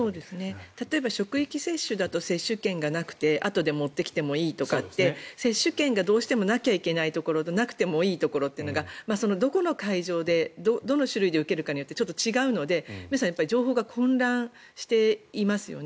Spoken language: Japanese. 例えば職域接種だと接種券がなくてあとで持ってきてもいいとかって接種券がどうしてもなきゃいけないところとなくてもいいところというのがどこの会場でどの種類で受けるかによってちょっと違うので情報が混乱していますよね。